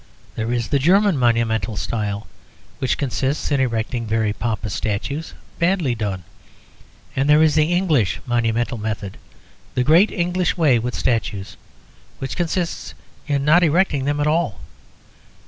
There is the German monumental style, which consists in erecting very pompous statues, badly done. And there is the English monumental method, the great English way with statues, which consists in not erecting them at all.